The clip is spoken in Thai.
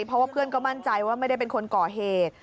เพราะว่าเพื่อนก็มั่นใจว่าไม่ได้เป็นคนก่อเหตุ